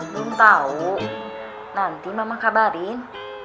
belum tahu nanti mama kabarin